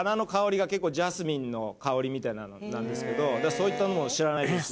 そういったのも知らないですし。